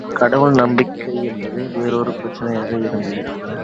கடவுள் நம்பிக்கை என்பது வேறோர் பிரச்சினையாக இருந்தது.